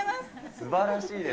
すばらしいです。